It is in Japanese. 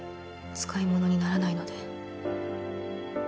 使い物にならないので。